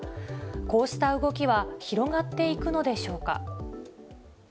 こうした動きは広がっていくのでしょうか。